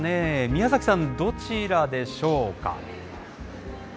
宮崎さん、どちらでしょうか。